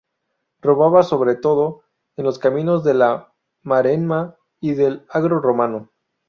Robaba sobre todo en los caminos de la Maremma y del Agro romano.